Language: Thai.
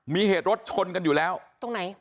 มีเหตุรถชนกันอยู่แล้วตรงไหน